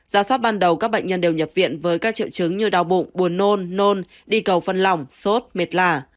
giá soát ban đầu các bệnh nhân đều nhập viện với các triệu chứng như đau bụng buồn nôn nôn đi cầu phân lỏng sốt mệt lạ